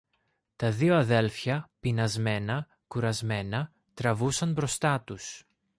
Τα δυο αδέλφια, πεινασμένα, κουρασμένα, τραβούσαν μπροστά τους.